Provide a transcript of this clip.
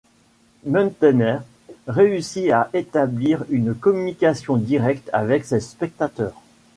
Muntaner réussit à établir une communication directe avec ses spectateurs.